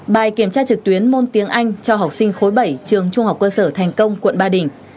bài kiểm tra trực tuyến môn tiếng anh cho học sinh khối bảy trường trung học cơ sở thành công quận ba đình